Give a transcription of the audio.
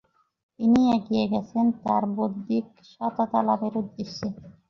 তিনি এগিয়ে গেছেন তার বৌদ্ধিক সততা লাভের উদ্দেশ্যে।